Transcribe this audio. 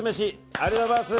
ありがとうございます。